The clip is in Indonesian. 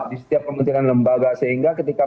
di setiap kementerian lembaga sehingga ketika